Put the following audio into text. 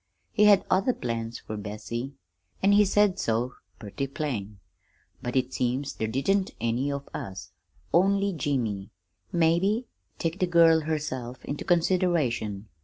He had other plans fer Bessie, an' he said so purty plain." "But it seems there didn't any of us only Jimmy, maybe take the girl herself into consideration.